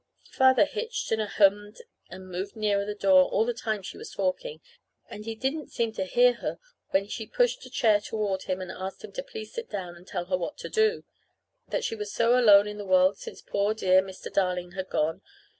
Father hitched and ahemmed and moved nearer the door all the time she was talking, and he didn't seem to hear her when she pushed a chair toward him and asked him to please sit down and tell her what to do; that she was so alone in the world since poor dear Mr. Darling had gone.